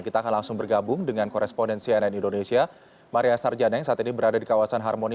kita akan langsung bergabung dengan koresponden cnn indonesia maria sarjana yang saat ini berada di kawasan harmoni